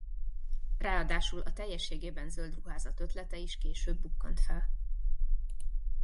Ráadásul a teljességében zöld ruházat ötlete is később bukkant fel.